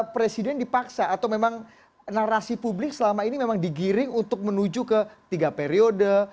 presiden dipaksa atau memang narasi publik selama ini memang digiring untuk menuju ke tiga periode